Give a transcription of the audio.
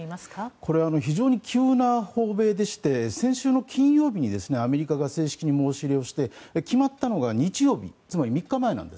これは非常に急な訪米でして先週の金曜日にアメリカが正式に申し入れをして決まったのが日曜日つまり３日前なんです。